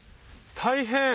大変！